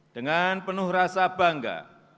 dengan penuh rasa bangga